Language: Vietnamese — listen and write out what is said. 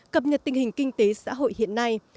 cập nhật tình hình kinh tế xã hội hiện nay